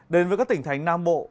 đến với các tỉnh thành nam bộ